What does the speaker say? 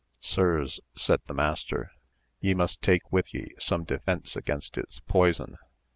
Sirs, said the mas ter, ye must take with ye some defence against its poison.